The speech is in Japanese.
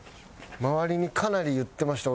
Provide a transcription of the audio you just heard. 周りにかなり言ってました。